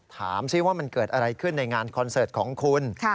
ถามซิว่ามันเกิดอะไรขึ้นในงานคอนเสิร์ตของคุณ